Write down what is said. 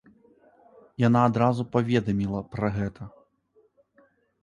Яна адразу паведаміла пра гэта.